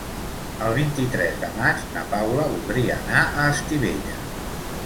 El vint-i-tres de maig na Paula voldria anar a Estivella.